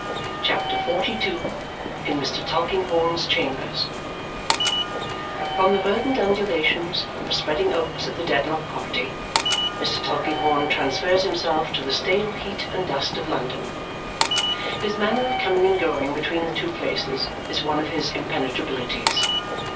CHAPTER XLII In Mr. Tulkinghorn's Chambers From the verdant undulations and the spreading oaks of the Dedlock property, Mr. Tulkinghorn transfers himself to the stale heat and dust of London. His manner of coming and going between the two places is one of his impenetrabilities.